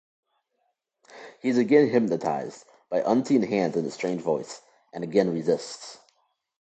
He is again hypnotised, by unseen hands and a strange voice, and again resists.